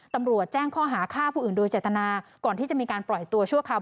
ตำรวจแจ้งข้อหาฆ่าผู้อื่นโดยเจตนาก่อนที่จะมีการปล่อยตัวชั่วคราว